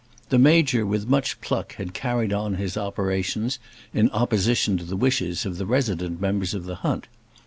The Major with much pluck had carried on his operations in opposition to the wishes of the resident members of the hunt.